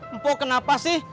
empok kenapa sih